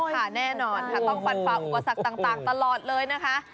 ค่ะแน่นอนค่ะต้องฟันฝ่าอุปสรรคต่างตลอดเลยนะคะ